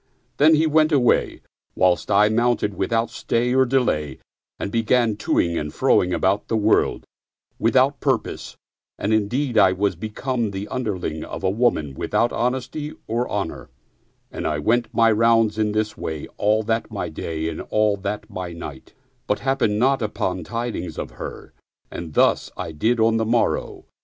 Then he went away, whilst I mounted without stay or delay and began to ing and f ro ing about the world without purpose, and indeed I was become the underling of a woman without honesty or honor ; and I went my rounds in this way all that my day and that my night, but happened not upon tidings of her ; and thus I did on the morrow.